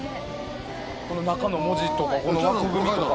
この中の文字とかこの枠組みとか。